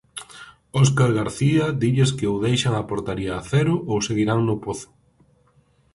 Óscar García dilles que ou deixan a portería a cero ou seguirán no pozo.